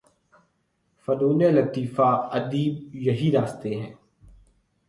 فنون لطیفہ، ادب یہی راستے ہیں۔